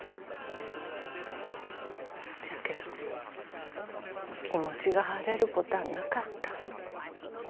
じゃけど気持ちが晴れるこたあなかった。